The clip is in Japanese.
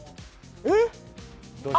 えっ！